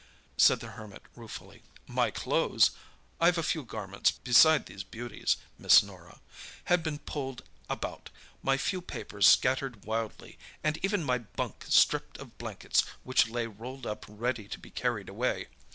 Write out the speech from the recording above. said the Hermit ruefully. "My clothes (I've a few garments beside these beauties, Miss Norah) had been pulled about, my few papers scattered wildly, and even my bunk stripped of blankets, which lay rolled up ready to be carried away.